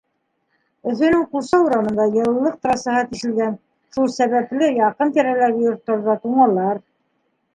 Өфөнөң Ҡулса урамында йылылыҡ трассаһы тишелгән, шул сәбәпле яҡын-тирәләге йорттарҙа туңалар.